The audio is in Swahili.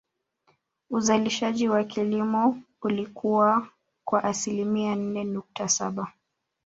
Uzalishaji wa kilimo ulikua kwa asilimia nne nukta Saba